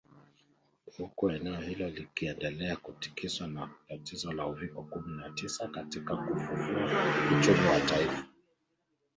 Huku eneo hilo likiendelea kutikiswa na tatizo la uviko kumi na tisa katika kufufua uchumi wa taifa